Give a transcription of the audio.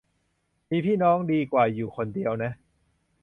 มีพี่น้องดีกว่าอยู่คนเดียวนะ